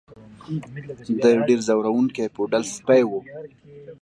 دا یو ډیر ځورونکی پوډل سپی و